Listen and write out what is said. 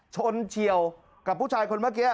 เฉียวกับผู้ชายคนเมื่อกี้